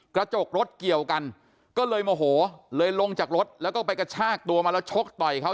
กระจกรถเกี่ยวกันก็เลยโมโหเลยลงจากรถแล้วก็ไปกระชากตัวมาแล้วชกต่อยเขา